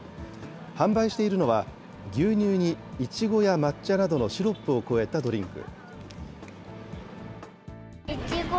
販売しているのは、牛乳にイチゴや抹茶などのシロップを加えたドリンク。